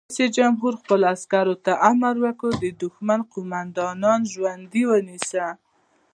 رئیس جمهور خپلو عسکرو ته امر وکړ؛ د دښمن قومندانان ژوندي ونیسئ!